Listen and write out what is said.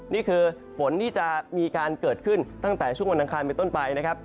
นี่คือฝนที่จะมีการเกิดขึ้นตั้งแต่ช่วงวันอังคารไปต้นไปนะครับ